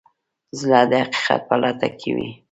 زړه د حقیقت په لټه کې وي.